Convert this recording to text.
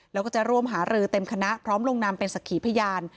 แล้วก็จะร่วมหารือเต็มคณะพร้อมลงนามเป็นสักขีพยาน